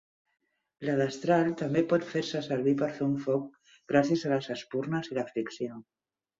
La destral també pot fer-se servir per fer un foc gràcies a les espurnes i la fricció.